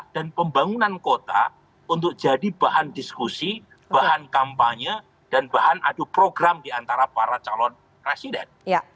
dan pembangunan kota untuk jadi bahan diskusi bahan kampanye dan bahan adu program diantara para calon presiden